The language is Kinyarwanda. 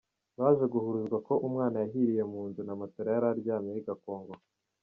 Baje guhuruzwa ko umwana yahiriye mu nzu na matora yari aryamyeho igakongoka.